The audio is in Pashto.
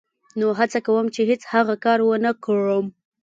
نو هڅه کوم چې هېڅ هغه کار و نه کړم.